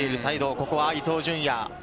ここは伊東純也。